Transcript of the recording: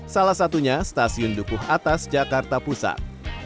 salah satunya stasiun dukuh atas jakarta pusat